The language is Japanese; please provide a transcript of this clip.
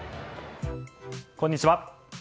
こんにちは。